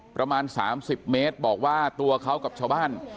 ประมาณ๓๐เมตรบอกว่าตัวเขากับชาวบ้าน